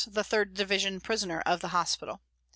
the 3rd Division prisoner of the hospital.